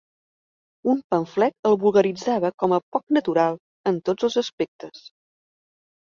Un pamflet el vulgaritzava com a "poc natural" en tots els aspectes.